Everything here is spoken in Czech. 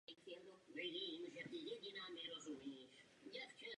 Přes veškerou naši snahu není cena toho všeho známa.